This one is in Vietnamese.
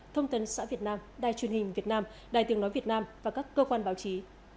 thông tấn xã việt nam đài truyền hình việt nam đài tiếng nói việt nam và các cơ quan báo chí